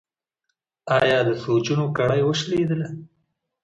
ایا د سوچونو کړۍ وشلیدله؟